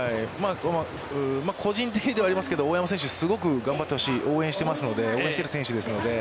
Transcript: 個人的にはですが、大山選手すごく頑張ってほしい、応援していますので、応援している選手ですので。